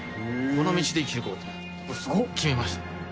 この道で生きていこうと決めました。